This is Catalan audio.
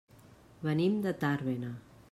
Venim de Tàrbena.